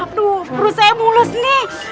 aduh perut saya mulus nih